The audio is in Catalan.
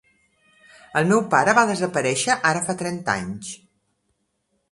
El meu pare va desaparèixer ara fa trenta anys...